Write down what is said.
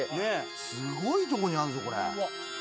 すごいとこにあんぞこれ。